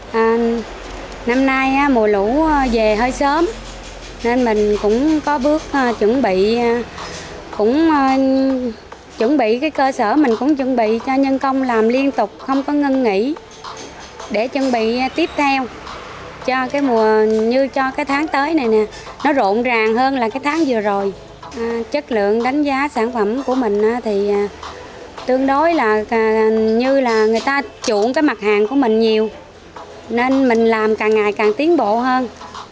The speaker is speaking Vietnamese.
chất lượng đánh giá sản phẩm của mình thì tương đối như là người ta trụng cái mặt hàng của mình nhiều nên mình làm càng ngày càng tiến bộ hơn